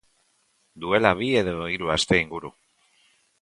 Duela bi edo hiru aste inguru.